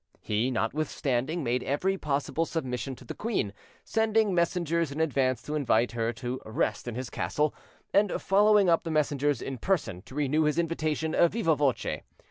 He, notwithstanding, made every possible submission to the queen, sending messengers in advance to invite her to rest in his castle; and following up the messengers in person, to renew his invitation viva voce.